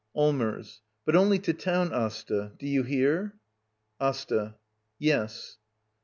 Allmers. But only to town, Asta. Do you hear? Asta. Yes.